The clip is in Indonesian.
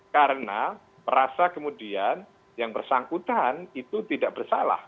karena merasa kemudian yang bersangkutan itu tidak bersalah